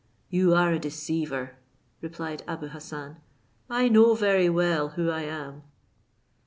"You are a deceiver," replied Abou Hassan: "I know very well who I am."